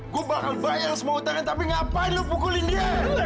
gue bakal bayar semua utangan tapi ngapain lu mukulin dia